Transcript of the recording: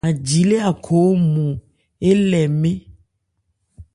Aji lê Akho ɔ́nmɔn elé nmɛ́n.